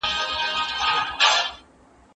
دا لاره د ځان پېژندلو وسیله شوه.